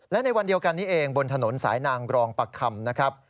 และในวันเดียวกันนี้เองบนถนนสายนางกรองประคำนะครับ